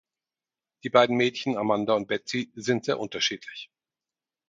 Die beiden Mädchen Amanda und Betsy sind sehr unterschiedlich.